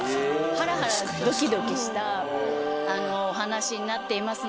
ハラハラドキドキしたお話になっていますので。